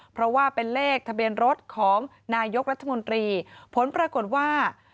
เพราะว่าเป็นเลขทะเบียนรถของนายกรัฐมนตรีผลปรากฏว่า